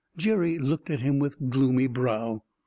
Jerry looked at him with gloomy brow.